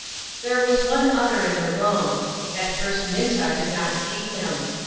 There was one other in the room ; at first Minta did not see him.